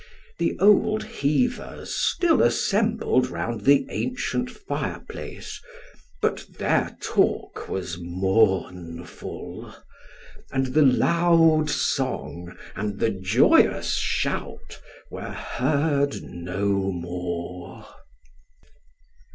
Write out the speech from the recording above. The old heavers still assembled round the ancient fireplace, but their talk was mournful: and the loud song and the joyous shout were heard no more.